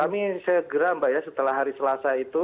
kami segera mbak ya setelah hari selasa itu